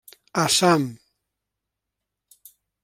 Assam.